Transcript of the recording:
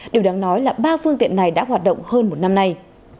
điều đáng nói là ba phương tiện này đã hoạt động hơn một năm nay